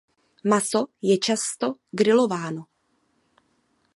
Maso je často grilováno.